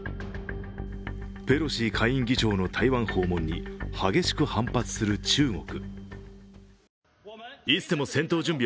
ペロシ下院議長の台湾訪問に激しく反発する中国。